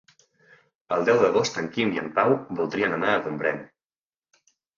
El deu d'agost en Quim i en Pau voldrien anar a Gombrèn.